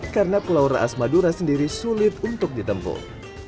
karena pulau raas madura sendiri sulit untuk ditempuh